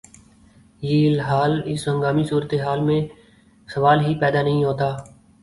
ی الحال اس ہنگامی صورتحال میں سوال ہی پیدا نہیں ہوتا